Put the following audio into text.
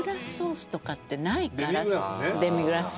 デミグラスね。